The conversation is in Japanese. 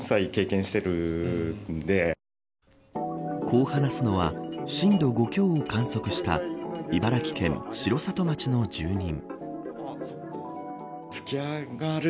こう話すのは震度５強を観測した茨城県城里町の住人。